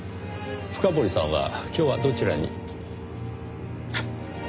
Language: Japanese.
深堀さんは今日はどちらに？